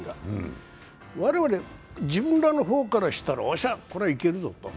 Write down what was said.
我々、自分らの方からしたら、おっしゃこれはいけるぞと。